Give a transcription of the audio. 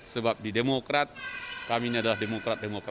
sebab di demokrat kami ini adalah demokrat demokrat